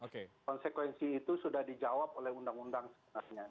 konsekuensi itu sudah dijawab oleh undang undang sebenarnya